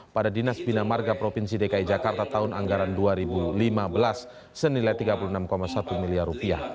pada dinas bina marga provinsi dki jakarta tahun anggaran dua ribu lima belas senilai rp tiga puluh enam satu miliar